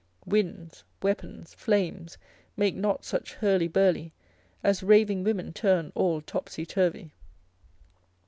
Winds, weapons, flames make not such hurly burly, As raving women turn all topsy turvy.